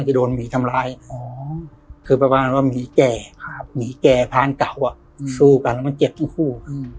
ก็จะโดนหมีทำร้ายอ๋อคือแปลว่าหมีแก่ครับหมีแก่ทางเกาอ่ะสู้กันแล้วมันเจ็บทั้งคู่